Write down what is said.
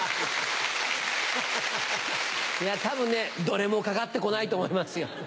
いや多分ねどれもかかって来ないと思いますよ。